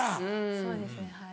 そうですねはい。